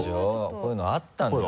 こういうのあったのよ。